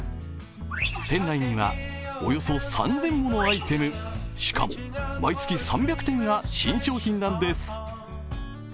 店内にはおよそ３０００ものアイテム、しかも毎月３００点が新商品なんです